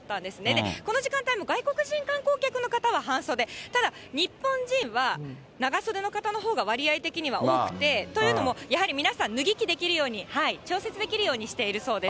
で、この時間帯、外国人観光客の方は半袖、ただ日本人は、長袖の方のほうが割合的には多くて、というのもやはり皆さん、脱ぎ着できるように、調節できるようにしているそうです。